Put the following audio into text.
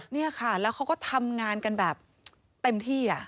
นี่ค่ะแล้วเขาก็ทำงานกันแบบเต็มที่